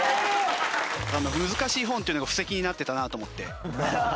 難しい本っていうのが布石になってたなと思って。